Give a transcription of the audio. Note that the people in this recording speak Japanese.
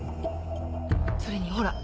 それにほら。